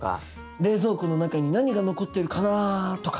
冷蔵庫の中に何が残ってるかなぁ？とか。